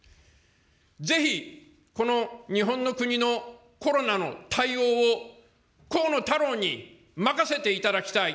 ぜひ、この日本の国のコロナの対応を、河野太郎に任せていただきたい。